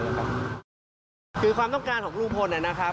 คือความต้องการของลุงพลนะครับ